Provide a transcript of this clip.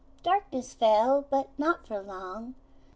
Darkness fell, but not for long.